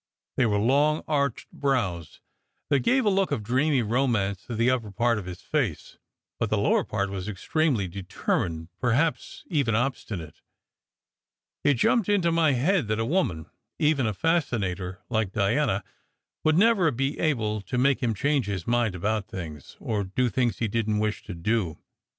They were long, arched brows that gave a look of dreamy romance to the upper part of his face, but the lower part was extremely determined, perhaps even obstinate. It jumped into my head that a woman even a fascinator like Diana would never be able to make him change his mind about things, or do things he didn t wish to do.